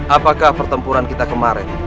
apakah pertempuran kita kemarin